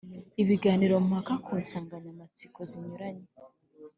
ibiganiro mpaka ku nsanganyamatsiko zinyuranye